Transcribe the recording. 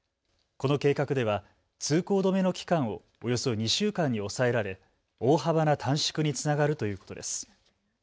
この計画では通行止めの期間をおよそ２週間に抑えられ大幅な短縮につながるということです。